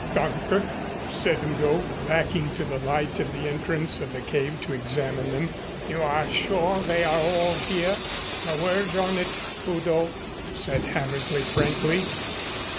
"Danke," said Udo, backing to the light of the entrance of the cave to examine them. "You are sure they are all here?" "My word on it, Udo," said Hammersley frankly.